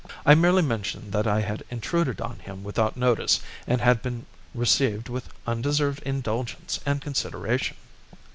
I merely mentioned that I had intruded on him without notice and had been received with undeserved indulgence and consideration."